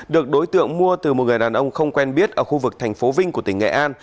được đối tượng mua từ một người đàn ông không quen biết ở khu vực thành phố vinh của tỉnh nghệ an